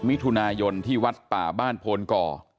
มิถุนายนที่วัดป่าบ้านโพนก่อ